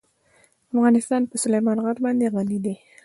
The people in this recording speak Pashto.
افغانستان په سلیمان غر باندې غني دی.